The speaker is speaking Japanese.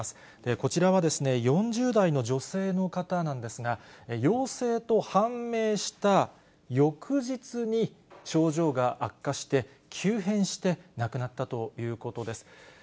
こちらは４０代の女性の方なんですが、陽性と判明した翌日に、症状が悪化して、急変して、亡くなったということです。